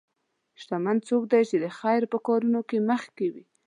شتمن څوک دی چې د خیر په کارونو کې مخکې وي.